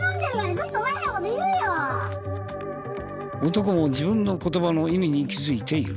男も自分の言葉の意味に気づいている。